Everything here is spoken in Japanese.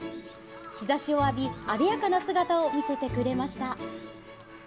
日ざしを浴び、あでやかな姿を見せてくれました。